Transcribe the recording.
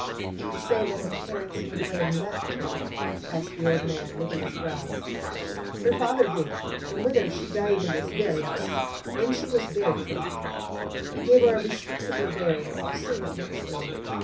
'You say that her parents went away and left her?' asked the old man, knitting his brows. 'Her father did. Her mother, she died in this very 'ouse, an' she was buried from it. He gave her a respectable burial, I'll say that much for him.